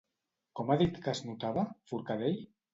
Com ha dit que es notava, Forcadell?